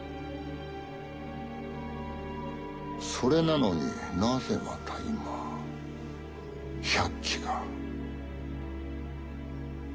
それなのになぜまた今百鬼が。